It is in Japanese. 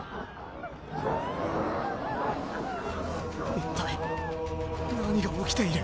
一体何が起きている？